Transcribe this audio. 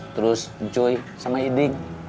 terus joy sama hiding